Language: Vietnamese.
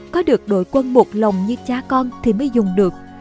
có được đội quân một lồng như cha con thì mới dùng được